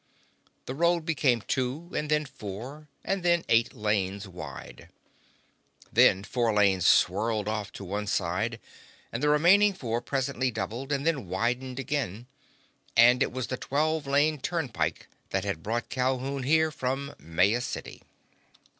The road became two, and then four, and then eight lanes wide. Then four lanes swirled off to one side, and the remaining four presently doubled, and then widened again, and it was the twelve lane turnpike that had brought Calhoun here from Maya City.